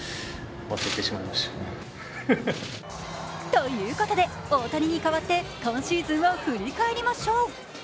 ということで、大谷に代わって今シーズンを振り返りましょう。